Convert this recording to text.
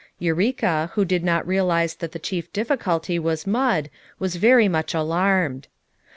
Eureka, who did not realize that the chief difficulty was mud, was very much alarmed.